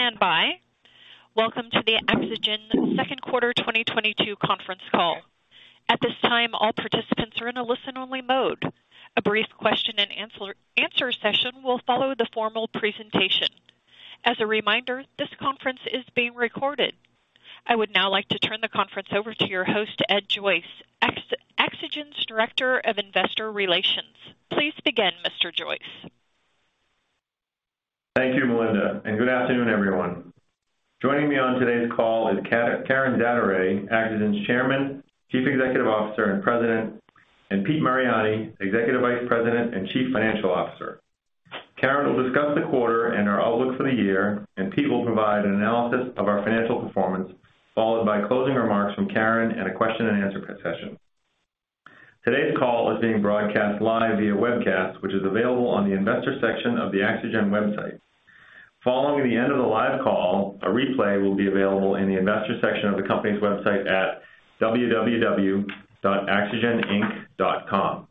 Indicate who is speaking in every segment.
Speaker 1: Please stand by. Welcome to the AxoGen Second Quarter 2022 Conference Call. At this time, all participants are in a listen-only mode. A brief question and answer session will follow the formal presentation. As a reminder, this conference is being recorded. I would now like to turn the conference over to your host, Ed Joyce, AxoGen's Director of Investor Relations. Please begin, Mr. Joyce.
Speaker 2: Thank you, Melinda, and good afternoon, everyone. Joining me on today's call is Karen Zaderej, AxoGen's Chairman, Chief Executive Officer, and President, and Pete Mariani, Executive Vice President and Chief Financial Officer. Karen will discuss the quarter and our outlook for the year, and Pete will provide an analysis of our financial performance, followed by closing remarks from Karen and a question-and-answer session. Today's call is being broadcast live via webcast, which is available on the investor section of the AxoGen website. Following the end of the live call, a replay will be available in the investor section of the company's website at www.axogeninc.com.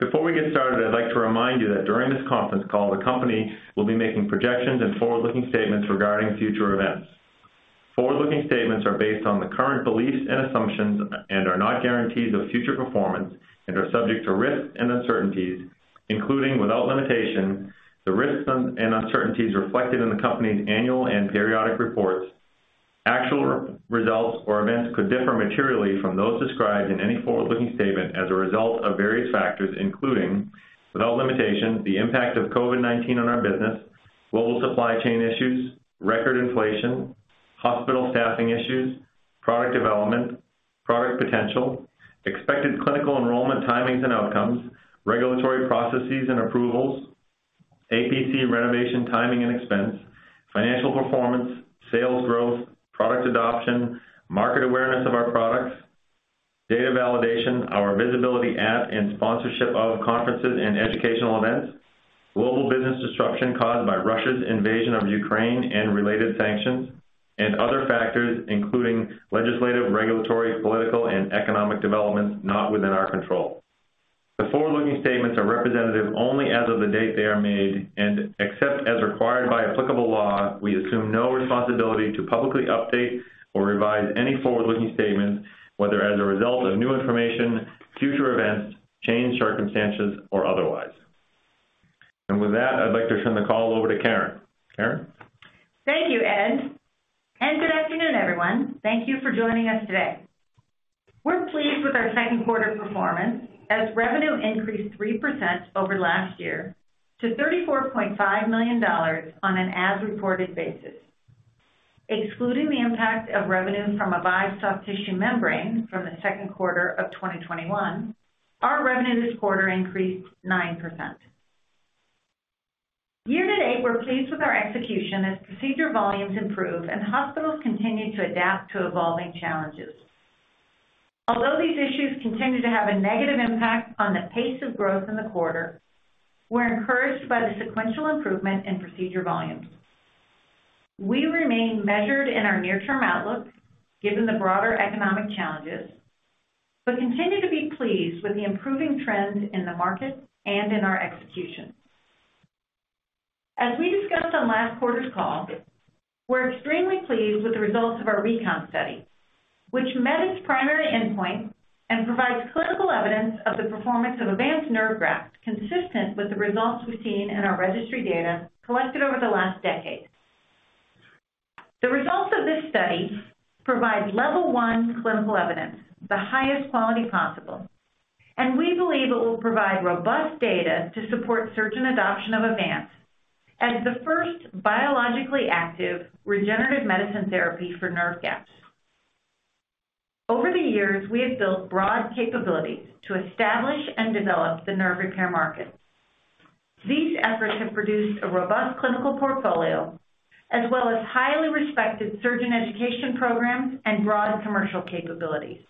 Speaker 2: Before we get started, I'd like to remind you that during this conference call, the company will be making projections and forward-looking statements regarding future events. Forward-looking statements are based on the current beliefs and assumptions and are not guarantees of future performance and are subject to risks and uncertainties, including, without limitation, the risks and uncertainties reflected in the company's annual and periodic reports. Actual results or events could differ materially from those described in any forward-looking statement as a result of various factors, including, without limitation, the impact of COVID-19 on our business, global supply chain issues, record inflation, hospital staffing issues, product development, product potential, expected clinical enrollment timings and outcomes, regulatory processes and approvals, APC renovation timing and expense, financial performance, sales growth, product adoption, market awareness of our products, data validation, our visibility at and sponsorship of conferences and educational events, global business disruption caused by Russia's invasion of Ukraine and related sanctions, and other factors, including legislative, regulatory, political, and economic developments not within our control. The forward-looking statements are representative only as of the date they are made, and except as required by applicable law, we assume no responsibility to publicly update or revise any forward-looking statement, whether as a result of new information, future events, changed circumstances, or otherwise. With that, I'd like to turn the call over to Karen. Karen?
Speaker 3: Thank you, Ed. Good afternoon, everyone. Thank you for joining us today. We're pleased with our second quarter performance as revenue increased 3% over last year to $34.5 million on an as-reported basis. Excluding the impact of revenue from Avive Soft Tissue Membrane from the second quarter of 2022, our revenue this quarter increased 9%. Year-to-date, we're pleased with our execution as procedure volumes improve and hospitals continue to adapt to evolving challenges. Although these issues continue to have a negative impact on the pace of growth in the quarter, we're encouraged by the sequential improvement in procedure volumes. We remain measured in our near-term outlook given the broader economic challenges, but continue to be pleased with the improving trends in the market and in our execution. As we discussed on last quarter's call, we're extremely pleased with the results of our RECON study, which met its primary endpoint and provides clinical evidence of the performance of Avance Nerve Graft consistent with the results we've seen in our registry data collected over the last decade. The results of this study provide level one clinical evidence, the highest quality possible, and we believe it will provide robust data to support surgeon adoption of Avance as the first biologically active regenerative medicine therapy for nerve gaps. Over the years, we have built broad capabilities to establish and develop the nerve repair market. These efforts have produced a robust clinical portfolio as well as highly respected surgeon education programs and broad commercial capabilities.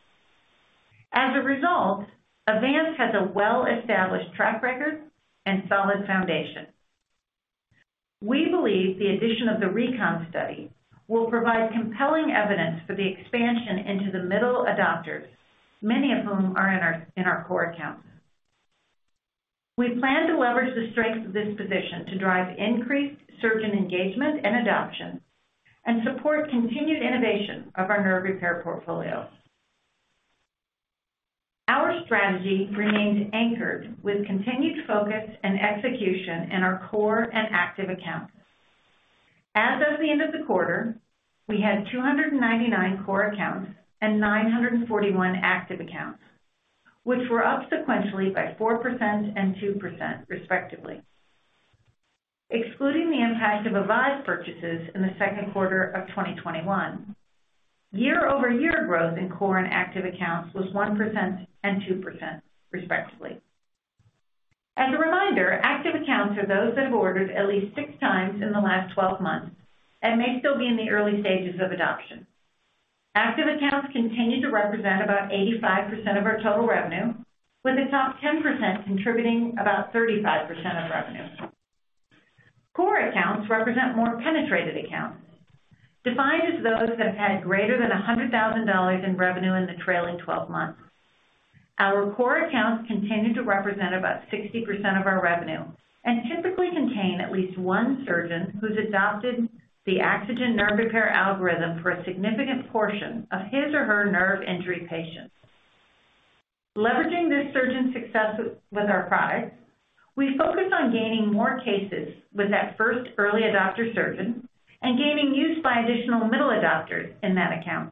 Speaker 3: As a result, Avance has a well-established track record and solid foundation. We believe the addition of the RECON study will provide compelling evidence for the expansion into the middle adopters, many of whom are in our core accounts. We plan to leverage the strength of this position to drive increased surgeon engagement and adoption and support continued innovation of our nerve repair portfolio. Our strategy remains anchored with continued focus and execution in our core and active accounts. As of the end of the quarter, we had 299 core accounts and 941 active accounts, which were up sequentially by 4% and 2% respectively. Excluding the impact of Avive purchases in the second quarter of 2021, year-over-year growth in core and active accounts was 1% and 2%, respectively. As a reminder, active accounts are those that have ordered at least 6x in the last 12 months and may still be in the early stages of adoption. Active accounts continue to represent about 85% of our total revenue, with the top 10% contributing about 35% of revenue. Core accounts represent more penetrated accounts, defined as those that have had greater than $100,000 in revenue in the trailing 12 months. Our core accounts continue to represent about 60% of our revenue and typically contain at least one surgeon who's adopted the AxoGen nerve repair algorithm for a significant portion of his or her nerve injury patients. Leveraging this surgeon success with our products, we focused on gaining more cases with that first early adopter surgeon and gaining use by additional middle adopters in that account.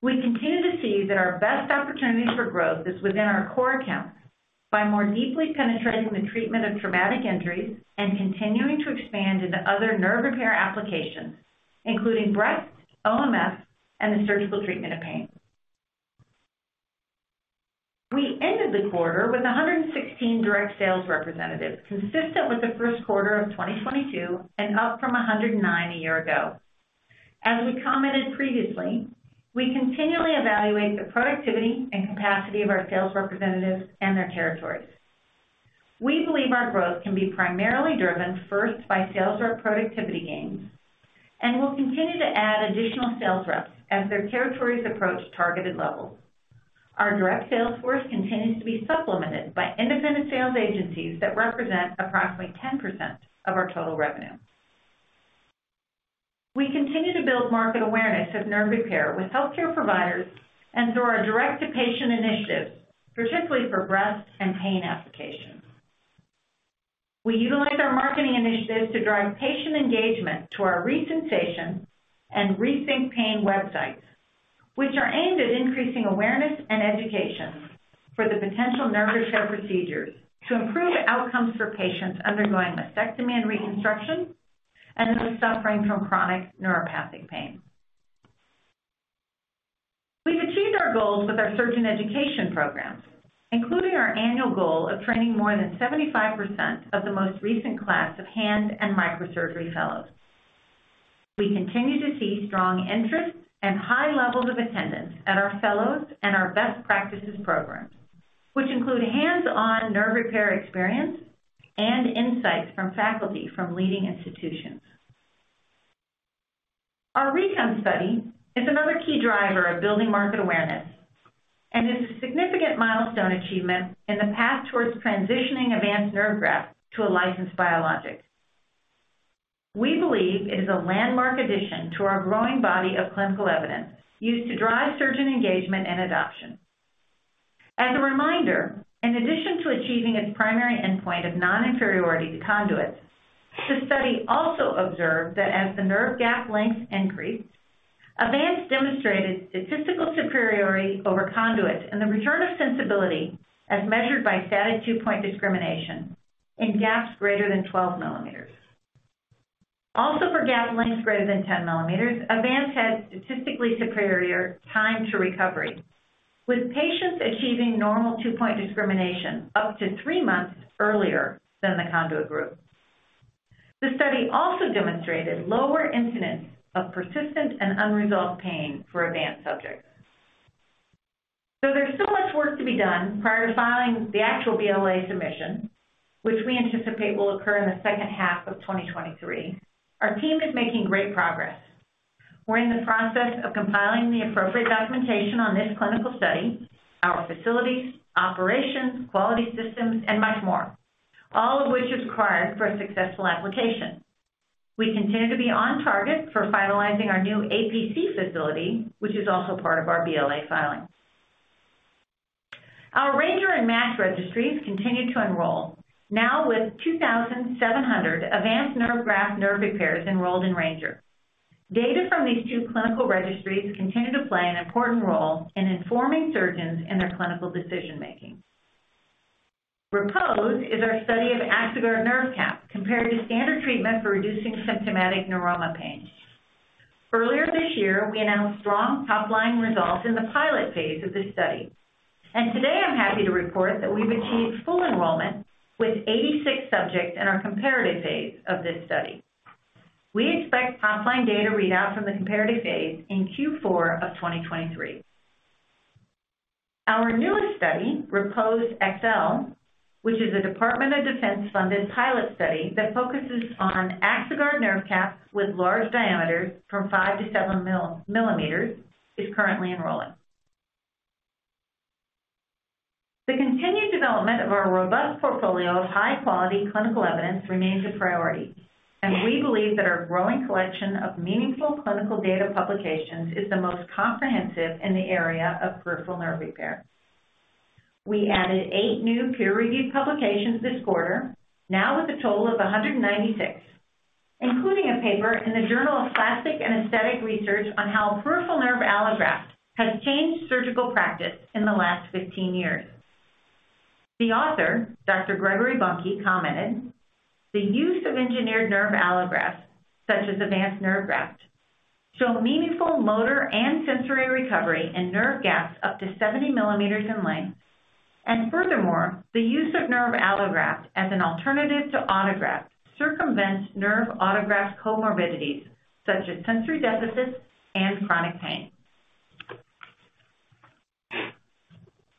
Speaker 3: We continue to see that our best opportunities for growth is within our core accounts by more deeply penetrating the treatment of traumatic injuries and continuing to expand into other nerve repair applications, including breast, OMF, and the surgical treatment of pain. We ended the quarter with 116 direct sales representatives, consistent with the first quarter of 2022 and up from 109 a year ago. As we commented previously, we continually evaluate the productivity and capacity of our sales representatives and their territories. We believe our growth can be primarily driven first by sales rep productivity gains and will continue to add additional sales reps as their territories approach targeted levels. Our direct sales force continues to be supplemented by independent sales agencies that represent approximately 10% of our total revenue. We continue to build market awareness of nerve repair with healthcare providers and through our direct-to-patient initiatives, particularly for breast and pain applications. We utilize our marketing initiatives to drive patient engagement to our Resensation and Rethink Pain websites, which are aimed at increasing awareness and education for the potential nerve repair procedures to improve outcomes for patients undergoing mastectomy and reconstruction and those suffering from chronic neuropathic pain. We've achieved our goals with our surgeon education programs, including our annual goal of training more than 75% of the most recent class of hand and microsurgery fellows. We continue to see strong interest and high levels of attendance at our fellows and our best practices programs, which include hands-on nerve repair experience and insights from faculty from leading institutions. Our RECON study is another key driver of building market awareness and is a significant milestone achievement in the path towards transitioning Avance Nerve Graft to a licensed biologic. We believe it is a landmark addition to our growing body of clinical evidence used to drive surgeon engagement and adoption. As a reminder, in addition to achieving its primary endpoint of non-inferiority to conduits, the study also observed that as the nerve gap length increased, Avance demonstrated statistical superiority over conduits and the return of sensibility as measured by static two-point discrimination in gaps greater than 12 millimeters. Also, for gap lengths greater than 10 millimeters, Avance had statistically superior time to recovery, with patients achieving normal two-point discrimination up to three months earlier than the conduit group. The study also demonstrated lower incidence of persistent and unresolved pain for Avance subjects. There's still much work to be done prior to filing the actual BLA submission, which we anticipate will occur in the second half of 2023. Our team is making great progress. We're in the process of compiling the appropriate documentation on this clinical study, our facilities, operations, quality systems, and much more, all of which is required for a successful application. We continue to be on target for finalizing our new APC facility, which is also part of our BLA filing. Our RANGER and MATCH registries continue to enroll, now with 2,700 Avance Nerve Graft nerve repairs enrolled in RANGER. Data from these two clinical registries continue to play an important role in informing surgeons in their clinical decision making. REPOSE is our study of Axoguard Nerve Cap compared to standard treatment for reducing symptomatic neuroma pain. Earlier this year, we announced strong top-line results in the pilot phase of this study. Today I'm happy to report that we've achieved full enrollment with 86 subjects in our comparative phase of this study. We expect top-line data readout from the comparative phase in Q4 of 2023. Our newest study, REPOSE-XL, which is a Department of Defense-funded pilot study that focuses on Axoguard Nerve Caps with large diameters from five millimetre - seven millimeters, is currently enrolling. The continued development of our robust portfolio of high-quality clinical evidence remains a priority, and we believe that our growing collection of meaningful clinical data publications is the most comprehensive in the area of peripheral nerve repair. We added eight new peer-reviewed publications this quarter, now with a total of 196, including a paper in Plastic and Aesthetic Research on how peripheral nerve allograft has changed surgical practice in the last 15 years. The author, Dr. Gregory Buncke, commented, "The use of engineered nerve allograft, such as Avance Nerve Graft, show meaningful motor and sensory recovery in nerve gaps up to 70 millimeters in length. And furthermore, the use of nerve allograft as an alternative to autograft circumvents nerve autograft comorbidities such as sensory deficits and chronic pain."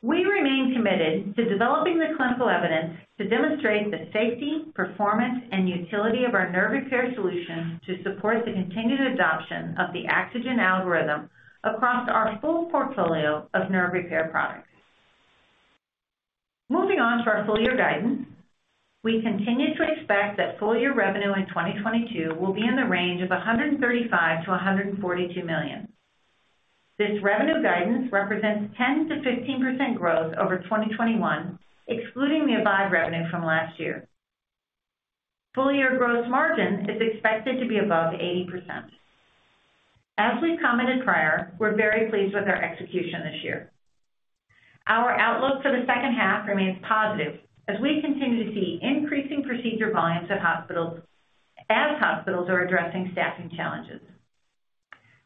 Speaker 3: We remain committed to developing the clinical evidence to demonstrate the safety, performance, and utility of our nerve repair solutions to support the continued adoption of the AxoGen algorithm across our full portfolio of nerve repair products. Moving on to our full year guidance. We continue to expect that full year revenue in 2022 will be in the range of $135 million-$142 million. This revenue guidance represents 10%-15% growth over 2021, excluding the Avive revenue from last year. Full year gross margin is expected to be above 80%. As we commented prior, we're very pleased with our execution this year. Our outlook for the second half remains positive as we continue to see increasing procedure volumes at hospitals as hospitals are addressing staffing challenges.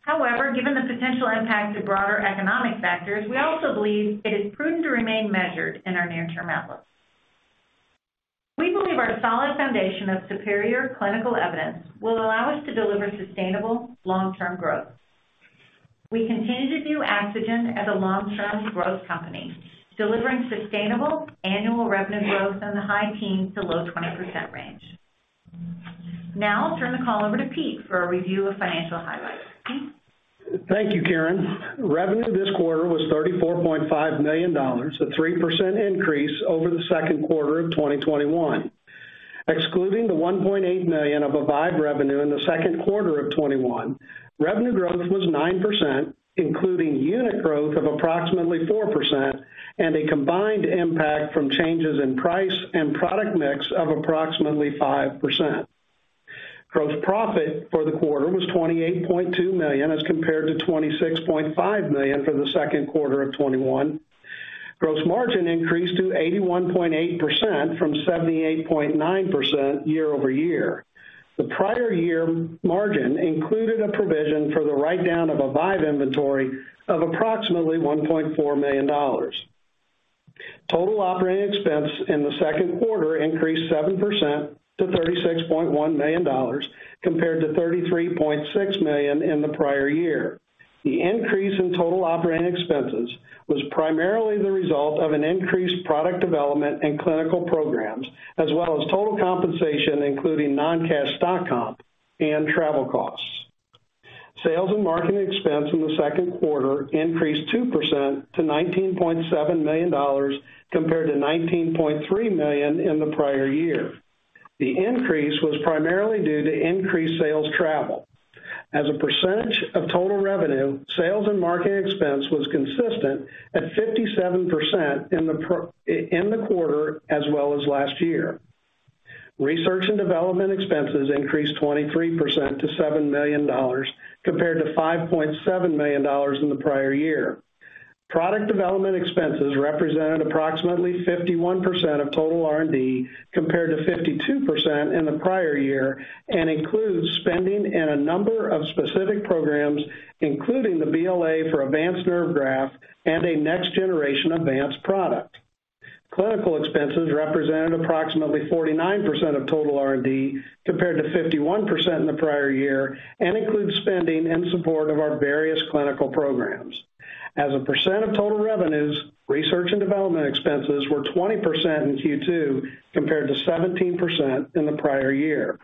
Speaker 3: However, given the potential impact of broader economic factors, we also believe it is prudent to remain measured in our near-term outlook. We believe our solid foundation of superior clinical evidence will allow us to deliver sustainable long-term growth. We continue to view AxoGen as a long-term growth company, delivering sustainable annual revenue growth in the high teens to low twenties% range. Now I'll turn the call over to Pete for a review of financial highlights. Pete?
Speaker 4: Thank you, Karen. Revenue this quarter was $34.5 million, a 3% increase over the second quarter of 2021. Excluding the $1.8 million of Avive revenue in the second quarter of 2021, revenue growth was 9%, including unit growth of approximately 4% and a combined impact from changes in price and product mix of approximately 5%. Gross profit for the quarter was $28.2 million as compared to $26.5 million for the second quarter of 2021. Gross margin increased to 81.8% from 78.9% year-over-year. The prior year margin included a provision for the write-down of Avive inventory of approximately $1.4 million. Total operating expense in the second quarter increased 7% - $36.1 million compared to $33.6 million in the prior year. The increase in total operating expenses was primarily the result of an increased product development and clinical programs as well as total compensation, including non-cash stock comp and travel costs. Sales and marketing expense in the second quarter increased 2% - $19.7 million compared to $19.3 million in the prior year. The increase was primarily due to increased sales travel. As a percentage of total revenue, sales and marketing expense was consistent at 57% in the quarter as well as last year. Research and development expenses increased 23% to $7 million compared to $5.7 million in the prior year. Product development expenses represented approximately 51% of total R&D compared to 52% in the prior year, and includes spending in a number of specific programs, including the BLA for Avance Nerve Graft and a next generation Avance product. Clinical expenses represented approximately 49% of total R&D compared to 51% in the prior year, and includes spending in support of our various clinical programs. As a percent of total revenues, research and development expenses were 20% in Q2 compared to 17% in the prior year.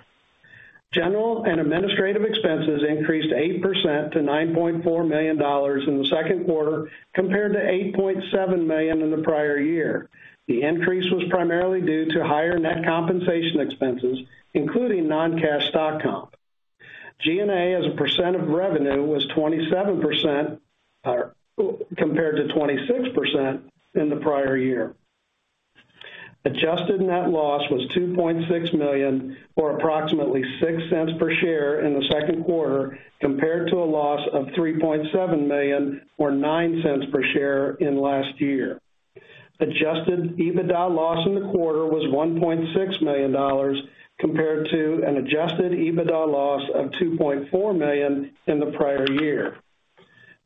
Speaker 4: General and administrative expenses increased 8% -F $9.4 million in the second quarter compared to $8.7 million in the prior year. The increase was primarily due to higher net compensation expenses, including non-cash stock comp. G&A as a percent of revenue was 27% compared to 26% in the prior year. Adjusted net loss was $2.6 million, or approximately $0.06 per share in the second quarter compared to a loss of $3.7 million or $0.09 per share in last year. Adjusted EBITDA loss in the quarter was $1.6 million compared to an adjusted EBITDA loss of $2.4 million in the prior year.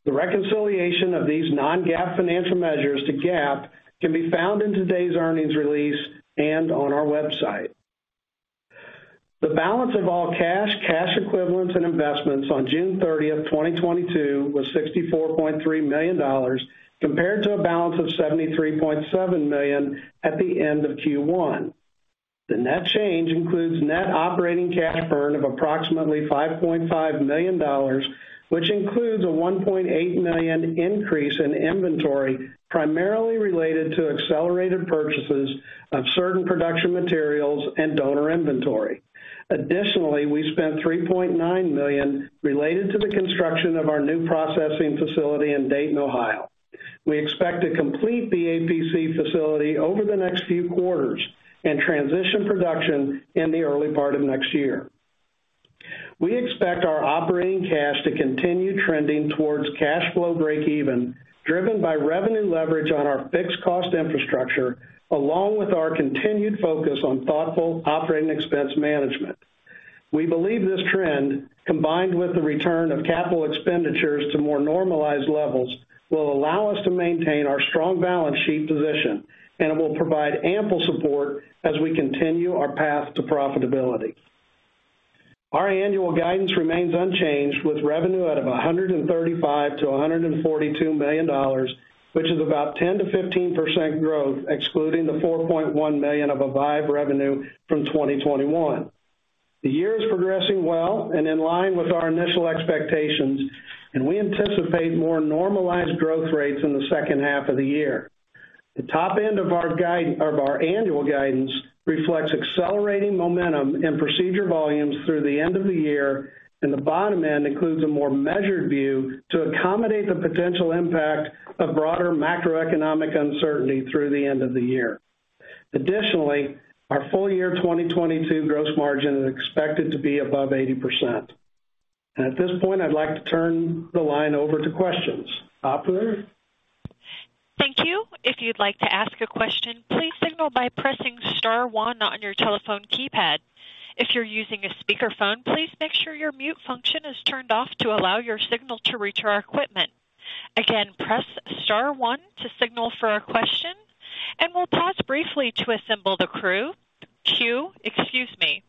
Speaker 4: The reconciliation of these Non-GAAP financial measures to GAAP can be found in today's earnings release and on our website. The balance of all cash equivalents, and investments on June 30, 2022 was $64.3 million compared to a balance of $73.7 million at the end of Q1. The net change includes net operating cash burn of approximately $5.5 million, which includes a $1.8 million increase in inventory primarily related to accelerated purchases of certain production materials and donor inventory. Additionally, we spent $3.9 million related to the construction of our new processing facility in Dayton, Ohio. We expect to complete the APC facility over the next few quarters and transition production in the early part of next year. We expect our operating cash to continue trending towards cash flow breakeven, driven by revenue leverage on our fixed cost infrastructure along with our continued focus on thoughtful operating expense management. We believe this trend, combined with the return of capital expenditures to more normalized levels, will allow us to maintain our strong balance sheet position, and it will provide ample support as we continue our path to profitability. Our annual guidance remains unchanged with revenue of $135 million-$142 million, which is about 10%-15% growth excluding the $4.1 million of Avive revenue from 2021. The year is progressing well and in line with our initial expectations, and we anticipate more normalized growth rates in the second half of the year. The top end of our guide, of our annual guidance, reflects accelerating momentum and procedure volumes through the end of the year, and the bottom end includes a more measured view to accommodate the potential impact of broader macroeconomic uncertainty through the end of the year. Additionally, our full year 2022 gross margin is expected to be above 80%. At this point, I'd like to turn the line over to questions. Operator?
Speaker 1: Thank you. If you'd like to ask a question, please signal by pressing star one on your telephone keypad. If you're using a speakerphone, please make sure your mute function is turned off to allow your signal to reach our equipment. Again, press star one to signal for a question, and we'll pause briefly to assemble the queue, excuse me.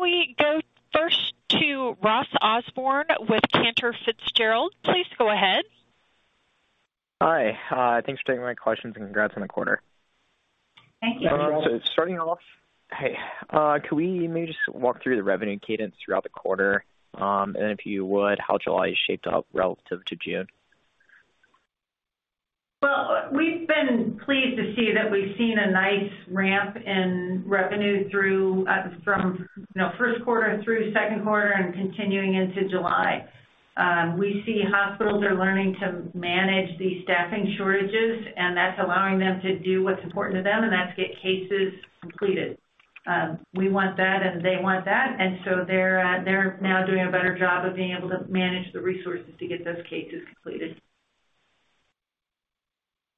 Speaker 1: We go first to Ross Osborn with Cantor Fitzgerald. Please go ahead.
Speaker 5: Hi, thanks for taking my questions and congrats on the quarter.
Speaker 3: Thank you.
Speaker 5: Starting off, hey, could we maybe just walk through the revenue cadence throughout the quarter? If you would, how July shaped up relative to June?
Speaker 3: Well, we've been pleased to see that we've seen a nice ramp in revenue from first quarter through second quarter and continuing into July. We see hospitals are learning to manage these staffing shortages, and that's allowing them to do what's important to them, and that's get cases completed. We want that, and they want that, and so they're now doing a better job of being able to manage the resources to get those cases completed.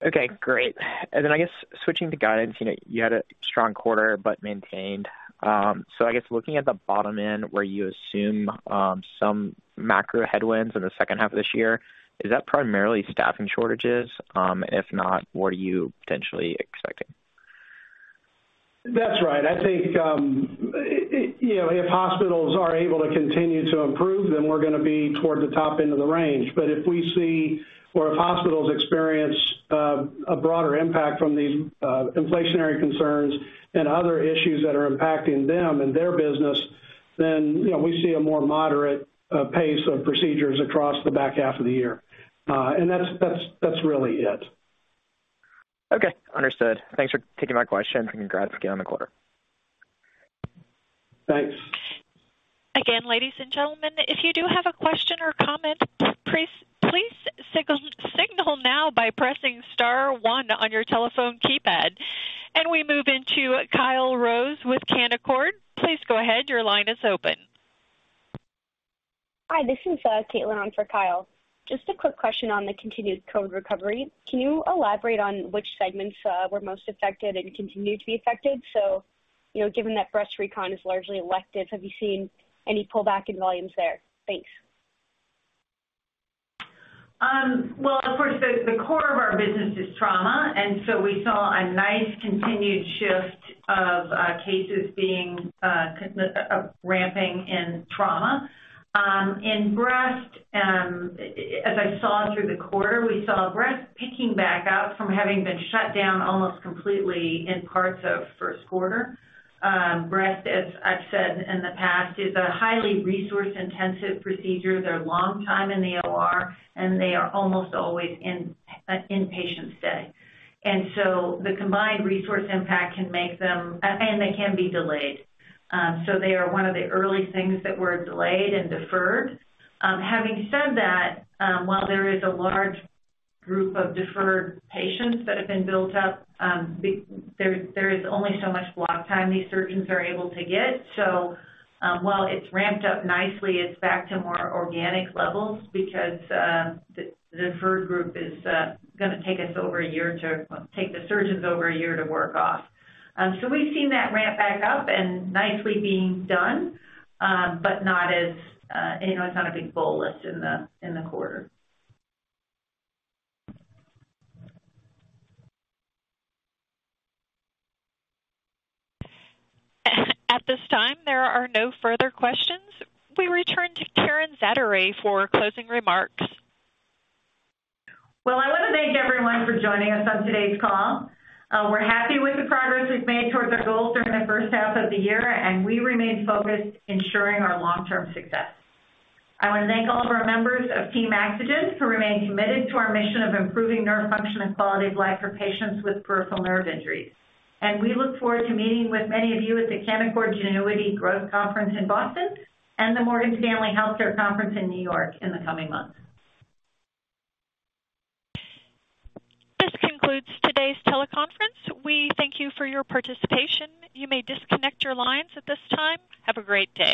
Speaker 5: Okay, great. I guess switching to guidance, you know, you had a strong quarter but maintained. I guess looking at the bottom end where you assume some macro headwinds in the second half of this year, is that primarily staffing shortages? If not, what are you potentially expecting?
Speaker 4: That's right. I think, you know, if hospitals are able to continue to improve, then we're gonna be toward the top end of the range. But if we see or if hospitals experience a broader impact from these inflationary concerns and other issues that are impacting them and their business, then, you know, we see a more moderate pace of procedures across the back half of the year. That's really it.
Speaker 5: Okay, understood. Thanks for taking my question and congrats again on the quarter.
Speaker 4: Thanks.
Speaker 1: Again, ladies and gentlemen, if you do have a question or comment, please signal now by pressing star one on your telephone keypad. We move into Kyle Rose with Canaccord. Please go ahead. Your line is open.
Speaker 6: Hi, this is Caitlin on for Kyle. Just a quick question on the continued COVID recovery. Can you elaborate on which segments were most affected and continue to be affected? You know, given that breast recon is largely elective, have you seen any pullback in volumes there? Thanks.
Speaker 3: Well, of course, the core of our business is trauma, and so we saw a nice continued shift of cases being ramping in trauma. In breast, as I saw through the quarter, we saw breast picking back up from having been shut down almost completely in parts of first quarter. Breast, as I've said in the past, is a highly resource-intensive procedure. They're long time in the OR, and they are almost always in inpatient stay. The combined resource impact can make them delayed. They are one of the early things that were delayed and deferred. Having said that, while there is a large group of deferred patients that have been built up, there's only so much block time these surgeons are able to get. While it's ramped up nicely, it's back to more organic levels because the deferred group is gonna take the surgeons over a year to work off. We've seen that ramp back up and nicely being done, but not as you know, it's not a big bull list in the quarter.
Speaker 1: At this time, there are no further questions. We return to Karen Zaderej for closing remarks.
Speaker 3: Well, I wanna thank everyone for joining us on today's call. We're happy with the progress we've made towards our goals during the first half of the year, and we remain focused ensuring our long-term success. I wanna thank all of our members of Team AxoGen who remain committed to our mission of improving nerve function and quality of life for patients with peripheral nerve injuries. We look forward to meeting with many of you at the Canaccord Genuity Growth Conference in Boston and the Morgan Stanley Global Healthcare Conference in New York in the coming months.
Speaker 1: This concludes today's teleconference. We thank you for your participation. You may disconnect your lines at this time. Have a great day.